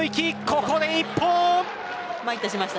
ここで一本。